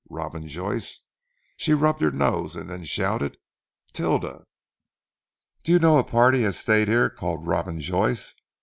"Robin Joyce," she rubbed her nose, and then shouted. "Tilda! Do you know a party as stayed here called Robin Joyce?